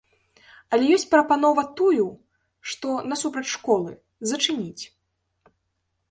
Але ёсць прапанова тую, што насупраць школы, зачыніць.